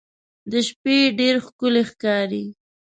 د شپې ډېر ښکلی ښکاري.